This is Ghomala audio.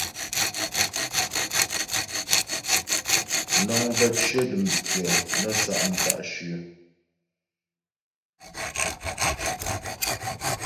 Nəŋ bə́ cyə dəm tʉɔ̂ nə́ sa' mta'shyə̂.